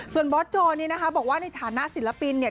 ส่วนบอสโจนี่นะคะบอกว่าในฐานะศิลปินเนี่ย